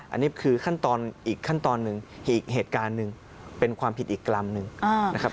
อันนี้คือขั้นตอนอีกขั้นตอนหนึ่งอีกเหตุการณ์หนึ่งเป็นความผิดอีกกรรมหนึ่งนะครับ